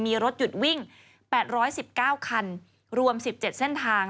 มีรถหยุดวิ่ง๘๑๙คันรวม๑๗เส้นทาง